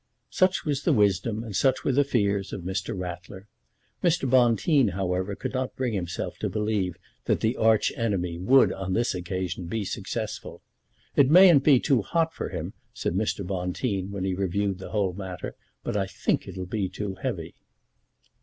Such was the wisdom, and such were the fears of Mr. Ratler. Mr. Bonteen, however, could not bring himself to believe that the Arch enemy would on this occasion be successful. "It mayn't be too hot for him," said Mr. Bonteen, when he reviewed the whole matter, "but I think it'll be too heavy."